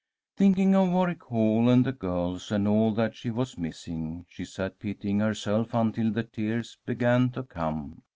Thinking of Warwick Hall and the girls and all that she was missing, she sat pitying herself until the tears began to come.